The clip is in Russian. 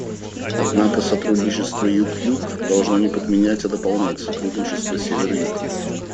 Однако сотрудничество Юг-Юг должно не подменять, а дополнять сотрудничество Север-Юг.